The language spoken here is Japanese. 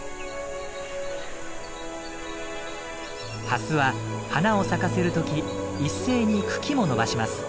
ハスは花を咲かせる時一斉に茎も伸ばします。